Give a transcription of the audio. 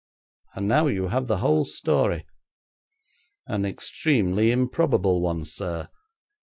And now you have the whole story.' 'An extremely improbable one, sir.